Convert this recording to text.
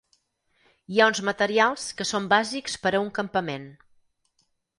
Hi ha uns materials que són bàsics per a un campament.